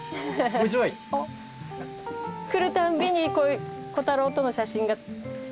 来るたびにこういうコタローとの写真がたくさん。